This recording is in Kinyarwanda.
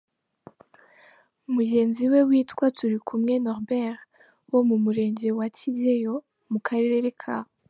Mugenzi we witwa Turikumwe Norbert, wo mu murenge wa Kigeyo mu karere ka